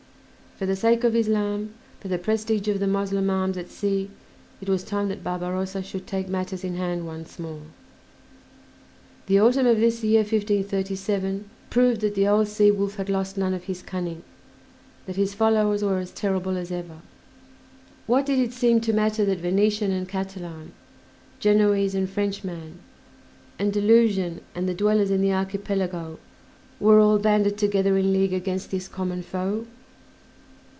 For the sake of Islam, for the prestige of the Moslem arms at sea, it was time that Barbarossa should take matters in hand once more. The autumn of this year 1537 proved that the old Sea wolf had lost none of his cunning, that his followers were as terrible as ever. What did it seem to matter that Venetian and Catalan, Genoese and Frenchman, Andalusian and the dwellers in the Archipelago, were all banded together in league against this common foe?